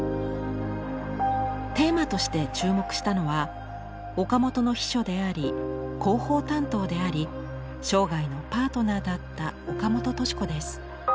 テーマとして注目したのは岡本の秘書であり広報担当であり生涯のパートナーだった岡本敏子です。